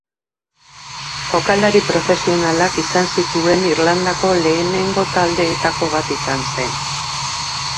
Jokalari profesionalak izan zituen Irlandako lehenengo taldeetako bat izan zen.